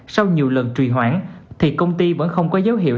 sau nhiều lần trì hoãn thì công ty vẫn không có dấu hiệu